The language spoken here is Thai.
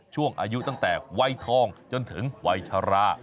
ช่วงอายุตั้งแต่วัยทองจนถึงวัยชรา